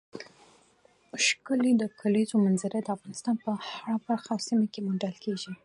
ښکلې کلیزو منظره د افغانستان په هره برخه او سیمه کې موندل کېږي.